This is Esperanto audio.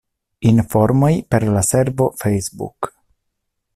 Informoj per la servo Facebook.